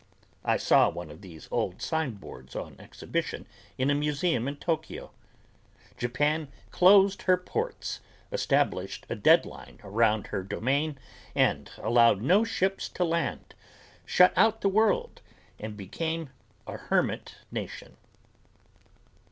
I saw one of these old signboards on exhibition in a museum in Tokyo. Japan closed her ports, established a deadline around her domain and allowed no ships to land, shut out the world and became a hermit nation.